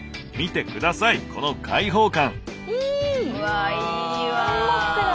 見て下さいこの開放感。